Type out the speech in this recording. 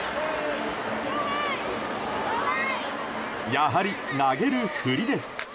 やはり投げるふりです。